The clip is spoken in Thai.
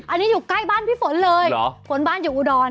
อันนี้อยู่ใกล้บ้านพี่ฝนเลยเหรอฝนบ้านอยู่อุดร